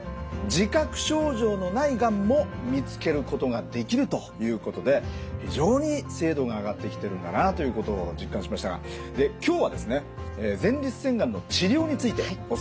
自覚症状のないがんも見つけることができるということで非常に精度が上がってきてるんだなということを実感しましたが今日はですね前立腺がんの治療についてお伝えしていくと。